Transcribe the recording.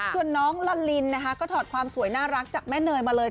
ส่วนน้องลอนลินนะคะก็ถอดความสวยน่ารักจากแม่เนยมาเลย